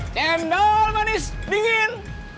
cendol manis dingin